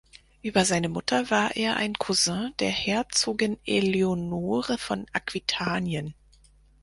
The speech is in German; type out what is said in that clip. Über seine Mutter war er ein Cousin der Herzogin Eleonore von Aquitanien.